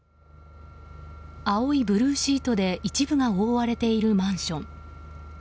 青いブルーシートで一部が覆われているマンション。